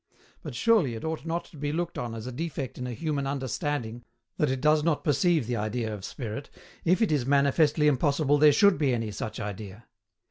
But, surely it ought not to be looked on as a defect in a human understanding that it does not perceive the idea of spirit, if it is manifestly impossible there should be any such idea.